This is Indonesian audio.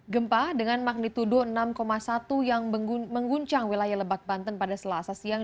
gempa dengan magnitudo enam satu yang mengguncang wilayah lebak banten pada selasa siang